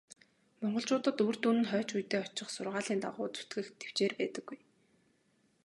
Монголчуудад үр дүн нь хойч үедээ очих сургаалын дагуу зүтгэх тэвчээр байдаггүй.